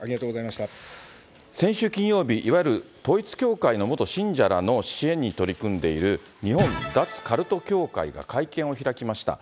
先週金曜日、いわゆる統一教会の元信者らの支援に取り組んでいる日本脱カルト協会が会見を開きました。